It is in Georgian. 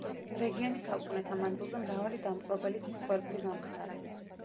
რეგიონი საუკუნეთა მანძილზე მრავალი დამპყრობელის მსხვერპლი გამხდარა.